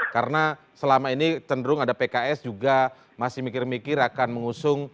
karena selama ini cenderung ada pks juga masih mikir mikir akan mengusung calon presiden